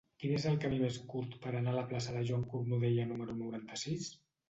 Quin és el camí més curt per anar a la plaça de Joan Cornudella número noranta-sis?